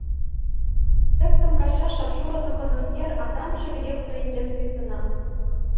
Тӗттӗм каҫра шап-шурӑ тӑхӑннӑскер асамҫӑ пекех туйӑнчӗ Светӑна.